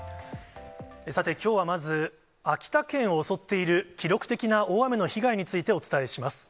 さてきょうはまず、秋田県を襲っている記録的な大雨の被害についてお伝えします。